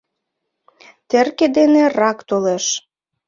Терке дене рак толеш